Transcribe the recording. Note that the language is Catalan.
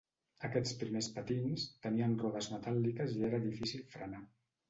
Aquests primers patins tenien rodes metàl·liques i era difícil frenar.